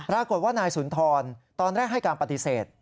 ปรากฏว่านายสุนทรตอนแรกให้การปฏิเสธ